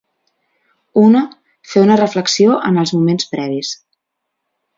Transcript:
Una, fer una reflexió en els moments previs.